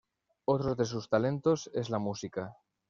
Otros de sus talentos es la música.